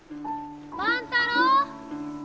万太郎！